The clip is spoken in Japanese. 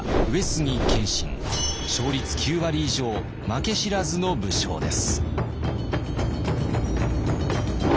勝率９割以上負け知らずの武将です。